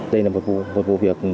đây là một vụ việc